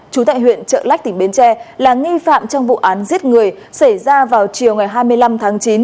chú tại huyện trợ lách tỉnh bến tre là nghi phạm trong vụ án giết người xảy ra vào chiều ngày hai mươi năm tháng chín